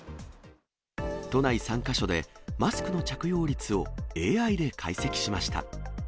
都内３か所で、マスクの着用率をＡＩで解析しました。